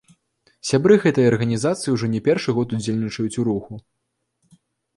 Сябры гэтай арганізацыі ўжо не першы год удзельнічаюць у руху.